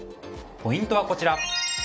ポイントはこちら。